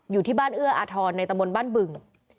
อยู่ที่บ้านเอื้ออาทรในตะบนบ้านบึง